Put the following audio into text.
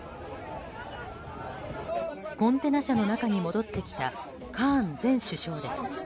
コンテナ車の中に戻ってきたカーン前首相です。